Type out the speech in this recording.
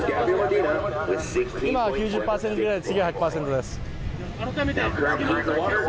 今９０％ぐらい、次は１００％です。